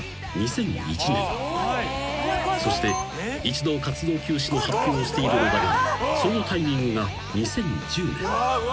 ［そして一度活動休止の発表をしているのだがそのタイミングが２０１０年］